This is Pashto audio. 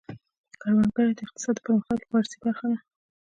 کروندګري د اقتصاد د پرمختګ لپاره اساسي برخه ده.